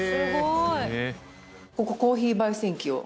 ここコーヒー焙煎機をこう。